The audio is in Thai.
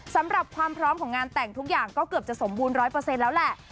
สำหรับความพร้อมของงานแต่งทุกอย่างก็เกือบจะสมบูรณ์๑๐๐แล้วแหละ